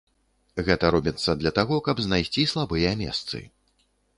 Гэта робіцца для таго, каб знайсці слабыя месцы.